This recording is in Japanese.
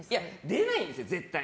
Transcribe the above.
出ないんですよ、絶対。